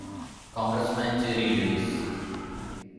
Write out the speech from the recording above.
Congressman Jerry Lewis.